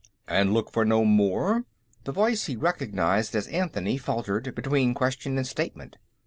"And look for no more?" The voice he recognized as Anthony faltered between question and statement.